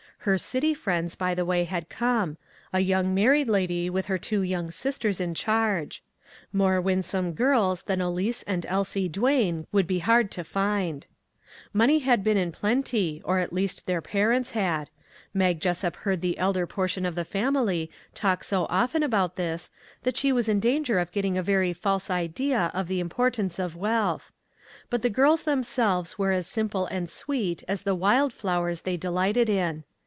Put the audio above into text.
Her city friends, by the way, had come; a young mar ried lady with her two young sisters in charge. More winsome girls than Elise and Elsie Daane would be hard to find. Money they had in plenty, or at least their parents had ; Mag Jes sup heard the elder portion of the family talk so often about this, that she was in danger of getting a very false idea of the importance of wealth ; but the girls themselves were as simple 253 MAG AND MARGARET and sweet as the wild flowers they delighted in.